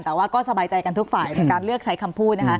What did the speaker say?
แต่ว่าก็สบายใจกันทุกฝ่ายในการเลือกใช้คำพูดนะคะ